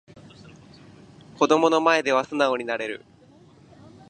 子供の前で素直になれる